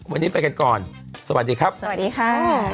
วันนี้ไปกันก่อนสวัสดีครับสวัสดีค่ะ